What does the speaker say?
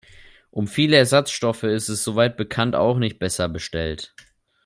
Um viele Ersatzstoffe ist es, soweit bekannt, auch nicht besser bestellt.